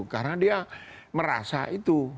karena dia merasa itu